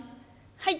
はい！